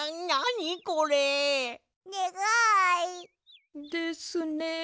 にがい！ですね。